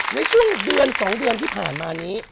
ในช่วงเดือน๒เดือนที่ผ่านมานี้